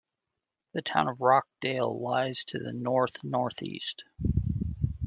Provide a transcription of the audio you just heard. The town of Rochdale lies to the north-northeast.